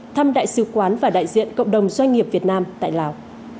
thăm đại sứ quán và đại diện cộng đồng doanh nghiệp việt nam tại lào